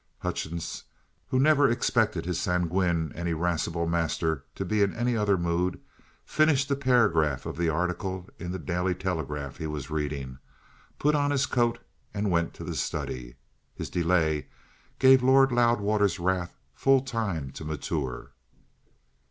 Hutchings, who never expected his sanguine and irascible master to be in any other mood, finished the paragraph of the article in the Daily Telegraph he was reading, put on his coat, and went to the study. His delay gave Lord Loudwater's wrath full time to mature.